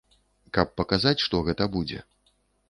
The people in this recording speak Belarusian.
Каб паказаць, што гэта будзе.